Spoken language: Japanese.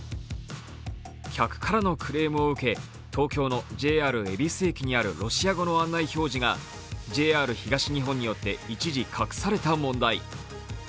客からのクレームを受け東京のＪＲ恵比寿駅にあるロシア語の案内表示がＪＲ東日本によって一時隠された問題。